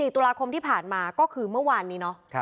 ๔ตุลาคมที่ผ่านมาก็คือเมื่อวานนี้เนาะ